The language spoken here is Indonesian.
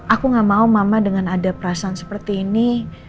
aku gak mau mama dengan ada perasaan seperti ini